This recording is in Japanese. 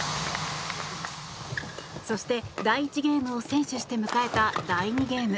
そして、第１ゲームを先取して迎えた第２ゲーム。